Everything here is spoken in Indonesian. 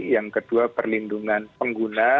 yang kedua perlindungan pengguna